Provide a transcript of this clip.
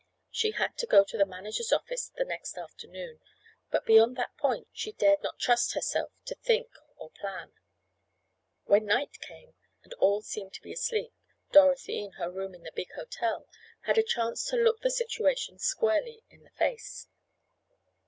She had to go to the manager's office the next afternoon, but beyond that point, she dared not trust herself to think or plan. When night came, and all seemed to be asleep Dorothy, in her room in the big hotel, had a chance to look the situation squarely in the face.